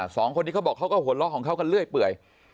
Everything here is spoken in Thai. สองคนนี้เขาบอกเขาก็หัวเราะของเขากันเรื่อยเปื่อย